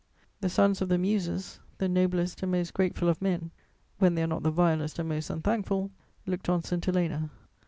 The sons of the Muses, the noblest and most grateful of men, when they are not the vilest and most unthankful, looked on St. Helena.